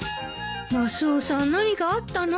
マスオさん何かあったの？